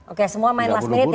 oke semua main last minute ya